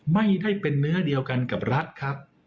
ไม่ได้เป็นเนื้อเดียวกันกับรัฐครับ